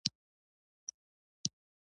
زه د کتابونو د لوستلو له لارې پوهه ترلاسه کوم.